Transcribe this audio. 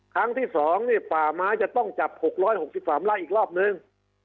ครั้งที่๒ป่าไม้จะต้องจับ๖๖๓ไร่อีกรอบนึง